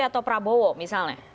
atau prabowo misalnya